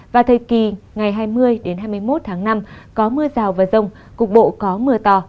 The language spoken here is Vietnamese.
và thời kỳ ngày hai mươi hai mươi một tháng năm có mưa rào và rông cục bộ có mưa to